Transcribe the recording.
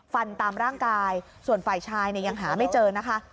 ตามร่างกายส่วนฝ่ายชายเนี่ยยังหาไม่เจอนะคะ